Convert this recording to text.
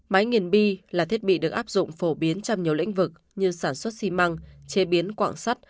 máy nghiền bi là thiết bị được áp dụng phổ biến trong nhiều lĩnh vực như sản xuất xi măng chế biến quạng sắt